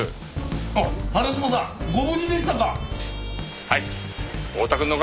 「あっ花島さん」ご無事でしたか？